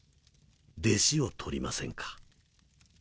弟子を取りませんか？